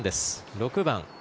６番。